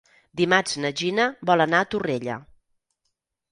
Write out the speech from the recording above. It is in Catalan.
Dimarts na Gina vol anar a Torrella.